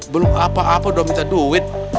belum apa apa udah minta duit